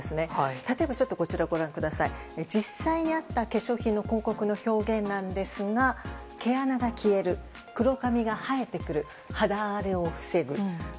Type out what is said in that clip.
例えば、実際にあった化粧品の広告の表現なんですが毛穴が消える、黒髪が生えてくる肌荒れを防ぐ。